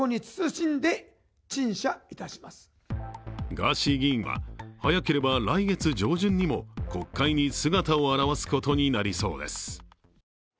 ガーシー議員は早ければ来月上旬にも国会に姿を現すことになりそうです。